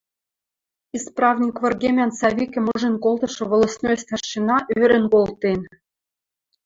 Исправник выргемӓн Савикӹм ужын колтышы волостной старшина ӧрӹн колтен.